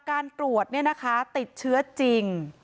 การตรวจเนี้ยนะคะติดเชื้อจริง